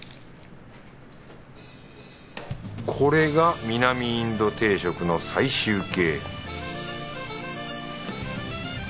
これが南インド定食の最終形